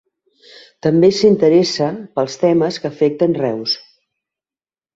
També s'interessa pels temes que afecten Reus.